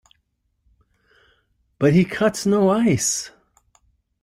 But he cuts no ice.